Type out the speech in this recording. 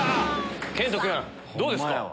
賢人君どうですか？